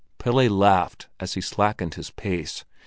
Pelle laughed as he slackened his pace.